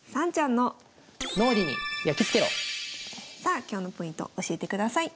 それではさあ今日のポイント教えてください。